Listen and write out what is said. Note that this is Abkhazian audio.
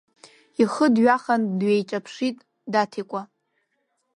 Ихы дҩахан дҩеиҿаԥшит Даҭикәа.